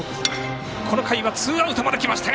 この回はツーアウトまできました。